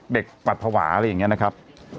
เด็กหวาดภาวะอะไรอย่างเงี้ยนะครับ